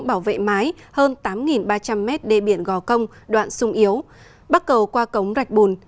bảo vệ mái hơn tám ba trăm linh mét đê biển gò công đoạn sung yếu bắt cầu qua cống rạch bùn